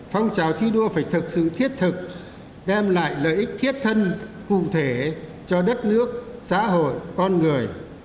phong trào thi đua phải thực sự thiết thực đem lại lợi ích thiết thân cụ thể cho đất nước xã hội con người